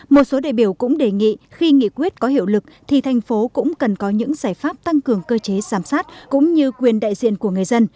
một số đại biểu cũng đề nghị khi nghị quyết có hiệu lực thì thành phố cũng cần có những giải pháp tăng cường cơ chế giám sát cũng như quyền đại diện của người dân